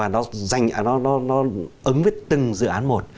nó ấm với từng dự án một